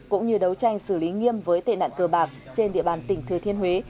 cũng như đấu tranh xử lý nghiêm với tệ nạn cơ bạc trên địa bàn tỉnh thừa thiên huế